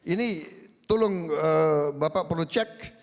ini tolong bapak perlu cek